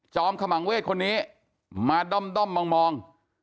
จอมขมังเวศคนนี้มาด้อมมาด้อมมอง